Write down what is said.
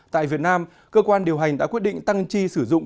tại việt nam cơ quan điều hành đã quyết định tăng chi sử dụng